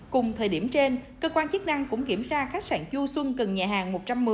cùng thời điểm trên cơ quan chức năng cũng kiểm tra khách sạn du xuân cần nhà hàng một trăm một mươi